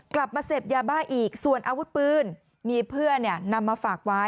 กลับมาเสพยาบ้าอีกส่วนอาวุธปืนมีเพื่อนนำมาฝากไว้